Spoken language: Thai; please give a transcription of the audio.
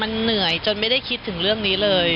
มันเหนื่อยจนไม่ได้คิดถึงเรื่องนี้เลย